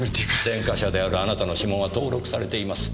前科者であるあなたの指紋は登録されています。